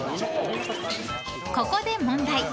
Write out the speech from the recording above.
ここで問題！